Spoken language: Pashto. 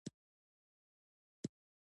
راکټ د فضا له اسرارو پرده پورته کړه